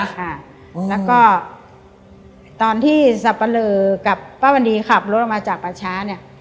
แล้วก็ตอนที่สับปะเลอกับป้าวันดีขับรถออกมาจากป่าช้าเนี่ย